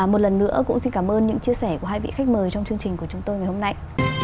một lần nữa cũng xin cảm ơn những chia sẻ của hai vị khách mời trong chương trình của chúng tôi ngày hôm nay